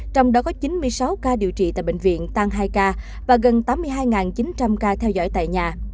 trong đó có chín mươi sáu ca điều trị tại bệnh viện tăng hai ca và gần tám mươi hai chín trăm linh ca theo dõi tại nhà